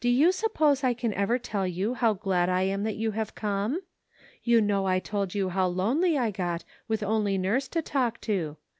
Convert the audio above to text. you suppose I can ever tell you how glad I am that you have come? You know I told you how lonely I got with only nurse to talk to.